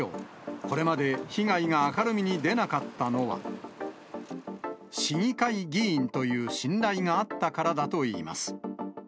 これまで被害が明るみに出なかったのは、市議会議員という信頼があったからだといいます。